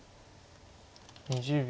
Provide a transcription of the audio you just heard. ２０秒。